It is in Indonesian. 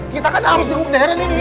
kita kan harus jenguk daerah ini